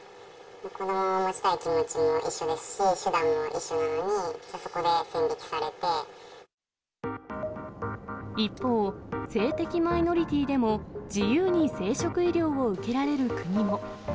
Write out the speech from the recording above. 子どもを持ちたい気持ちも一緒ですし、手段も一緒なのに、そこで一方、性的マイノリティーでも自由に生殖医療を受けられる国も。